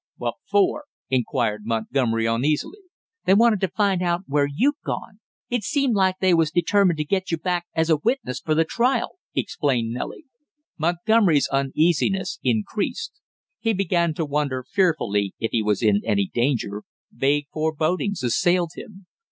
"What for?" inquired Montgomery uneasily. "They wanted to find out where you'd gone; it seemed like they was determined to get you back as a witness for the trial," explained Nellie. Montgomery's uneasiness increased. He began to wonder fearfully if he was in any danger, vague forebodings assailed him.